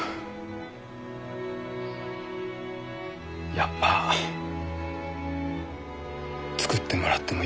やっぱ作ってもらってもいいかな？